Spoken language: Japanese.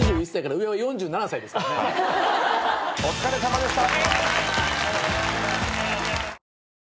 お疲れさまでした。